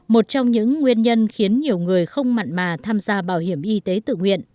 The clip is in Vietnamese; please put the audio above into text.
một trong những nguyên nhân khiến nhiều người không mặn mà tham gia bảo hiểm y tế tự nguyện